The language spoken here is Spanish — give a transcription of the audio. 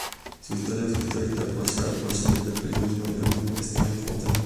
Su historia fue cubierta por Sarah Childress del periódico "The Wall Street Journal".